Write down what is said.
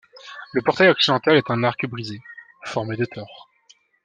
Le portail occidental est en arc brisé, formé de tores.